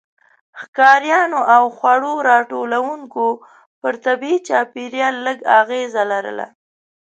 ښکاریانو او خواړه راغونډوونکو پر طبيعي چاپیریال لږ اغېزه لرله.